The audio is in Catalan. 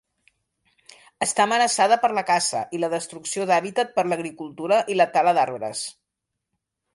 Està amenaçada per la caça i la destrucció d'hàbitat per l'agricultura i la tala d'arbres.